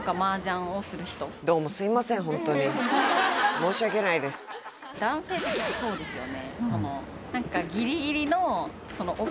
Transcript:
申し訳ないです男性ってそうですよね